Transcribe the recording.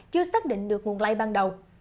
chưa xác định được nguồn lai ban đầu